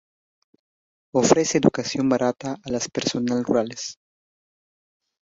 Ofrece educación barata a las personal rurales.